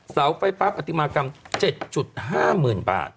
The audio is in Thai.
เสาไฟปั๊บอติมากรรม๗๕หมื่นบาท